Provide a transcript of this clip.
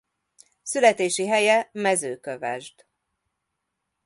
Születési helye Mezőkövesd.